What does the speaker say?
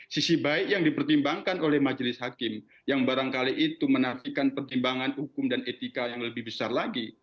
sisi baik yang dipertimbangkan oleh majelis hakim yang barangkali itu menafikan pertimbangan hukum dan etika yang lebih besar lagi